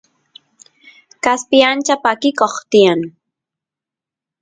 kaspi ancha pakikoq tiyan